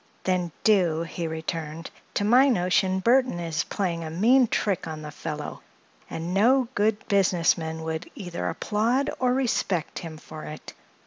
"Then do," he returned. "To my notion Burthon is playing a mean trick on the fellow, and no good business man would either applaud or respect him for it.